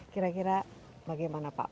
kira kira bagaimana pak